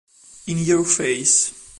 In Your Face